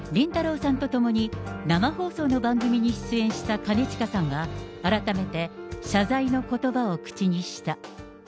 さんと共に、生放送の番組に出演した兼近さんは、改めて謝罪のことばを口にした。